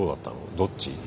どっち？